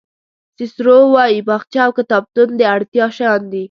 سیسرو وایي باغچه او کتابتون د اړتیا شیان دي.